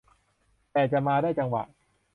แต่จะมาได้จังหวะ